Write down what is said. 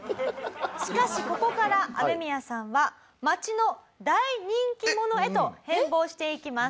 しかしここからアメミヤさんは町の大人気者へと変貌していきます。